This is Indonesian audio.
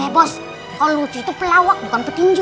hebos kalau lucu itu pelawak bukan petinju